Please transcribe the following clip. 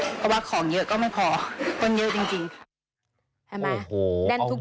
เพราะว่าของเยอะก็ไม่พอคนเยอะจริงใช่ไหม